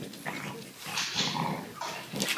建议书长达万余字。